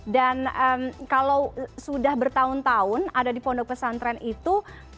dan kalau sudah bertahun tahun ada di pondok pesantren itu